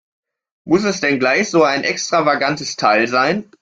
Muss es denn gleich so ein extravagantes Teil sein?